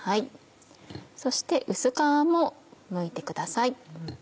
そして薄皮もむいてください。